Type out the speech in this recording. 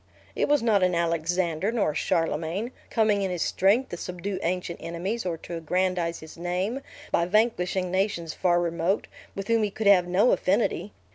It was not an Alexander nor a Charlemagne, coming in his strength to subdue ancient enemies, or to aggrandize his name, by vanquishing nations far remote, with whom he could have no affinity!